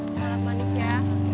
salam manis ya